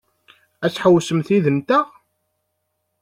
Ad tḥewwsemt yid-nteɣ?